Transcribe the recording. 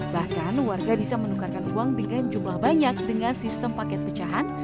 bahkan warga bisa menukarkan uang dengan jumlah banyak dengan sistem paket pecahan